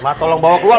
pak tolong bawa keluar